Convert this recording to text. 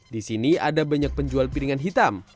di sini ada banyak penjual piringan hitam